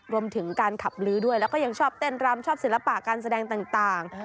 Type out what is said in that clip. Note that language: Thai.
รวมถึงการขับลื้อด้วยแล้วก็ยังชอบเต้นรำชอบศิลปะการแสดงต่าง